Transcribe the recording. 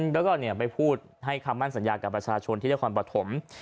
แล้วก็ไปพูดให้คำมั่นสัญญากับประชาชนที่นครปฐม